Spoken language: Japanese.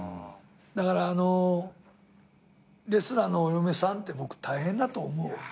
だからレスラーのお嫁さんって僕大変だと思う。